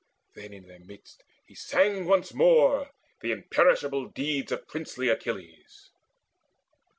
Then in their midst He sang once more the imperishable deeds Of princely Achilles.